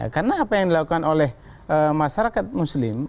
karena apa yang dilakukan oleh masyarakat muslim